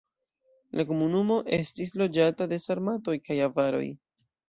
La komunumo estis loĝata de sarmatoj kaj avaroj.